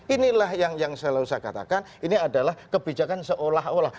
inilah yang selalu saya katakan ini adalah kebijakan seolah olah